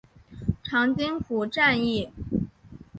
长津湖战役